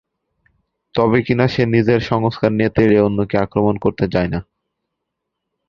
তবে কিনা সে নিজের সংস্কার নিয়ে তেড়ে অন্যকে আক্রমণ করতে যায় না।